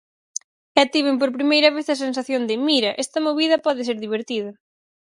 E tiven por primeira vez a sensación de: "mira, esta movida pode ser divertida".